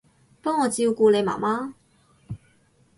幫我照顧你媽媽